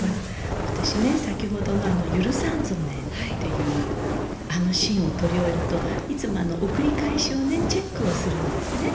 私ね先ほどの「許さんぞね」というあのシーンを撮り終えるといつも送り返しをねチェックをするんですね。